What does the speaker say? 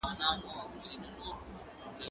زه بايد سیر وکړم؟!